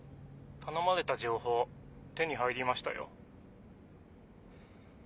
頼まれた情報手に入りましたよ。